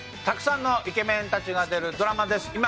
たくさんのイケメンたちが出るドラマです。